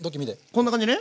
こんな感じね。